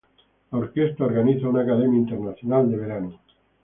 La orquesta organiza una academia internacional de verano.